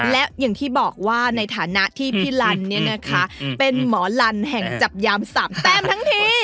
และอย่างที่บอกว่าในฐานะที่พี่ลันเนี่ยนะคะเป็นหมอลันแห่งจับยาม๓แต้มทั้งที